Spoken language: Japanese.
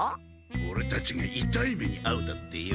オレたちがいたい目にあうだってよ！